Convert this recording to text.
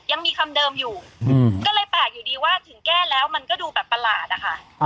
ยังมีคำเดิมอยู่ก็เลยแปลกอยู่ดีว่าถึงแก้แล้วมันก็ดูแบบประหลาดนะคะ